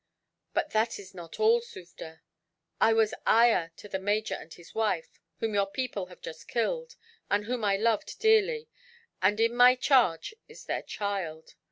"But that is not all, Sufder. I was ayah to the major and his wife whom your people have just killed, and whom I loved dearly and in my charge is their child.